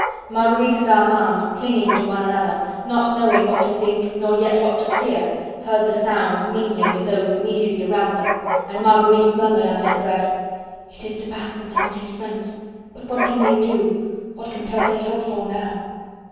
Marguerite and Armand, clinging to one another, not knowing what to think, nor yet what to fear, heard the sounds mingling with those immediately round them, and Marguerite murmured under her breath: "It is de Batz and some of his friends; but what can they do? What can Percy hope for now?"